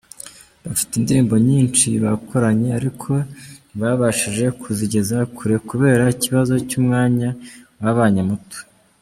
Bafite indirimbo nyinshi bakoranye ariko ntibabashije kuzigeza kure kubera ikibazo cy’umwanya wababanye muto.